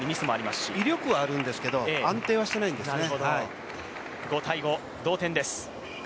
威力はあるんですけど、安定はしていないんですね。